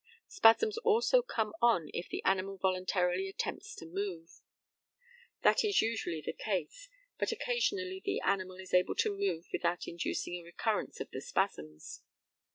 Spasms also come on if the animal voluntarily attempts to move; that is usually the case, but occasionally the animal is able to move without inducing a recurrence of the spasms.